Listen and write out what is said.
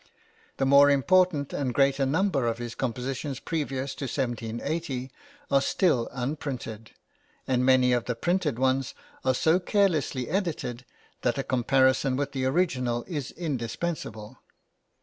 The more important and greater number of his compositions previous to 1780 are still unprinted, and many of the printed ones are so carelessly edited that a comparison with the original is indispensable.